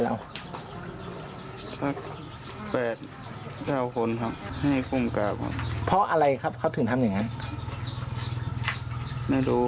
เราแปดเจ้าคนครับให้คุมกราบเพราะอะไรครับเขาถึงทำอย่างนั้นไม่รู้